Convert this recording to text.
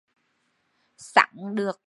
Sắn được mùa, ăn không ngạ